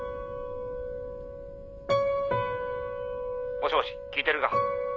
もしもし聞いてるか？